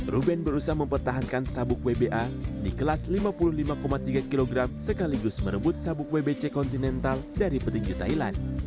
ruben berusaha mempertahankan sabuk wba di kelas lima puluh lima tiga kg sekaligus merebut sabuk wbc kontinental dari petinju thailand